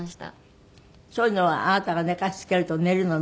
そういうのはあなたが寝かしつけると寝るの？